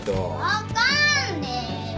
分かんねえよ！